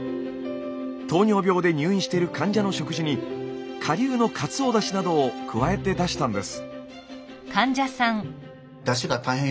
糖尿病で入院している患者の食事に顆粒のかつおだしなどを加えて出したんです。